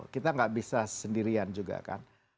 kita nggak bisa sendirian juga kan